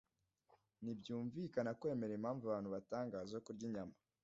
ntibyumvikana kwemera impamvu abantu batanga zo kurya inyama